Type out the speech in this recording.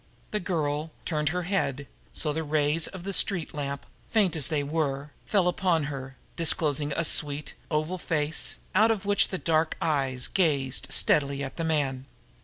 The girl turned her head so that the rays of the street lamp, faint as they were, fell full upon her, disclosing a sweet, oval face, out of which the dark eyes gazed steadily at the man.